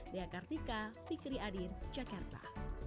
diakartika fikri adin jakarta